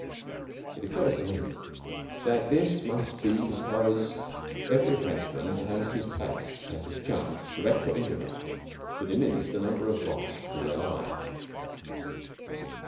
It occurs to me that this must be because every Frenchman has his place and his chance, direct or indirect, to diminish the number of Boches still alive.